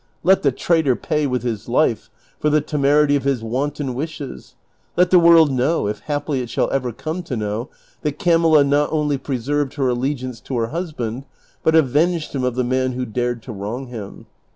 Let the traitor pay with his life for the temerity of his wanton wishes, let the world know (if haply it shall ever come to know) that Ca milla not only preserved lier allegiance to her husband, but avenged him of the man who dared to wrong him.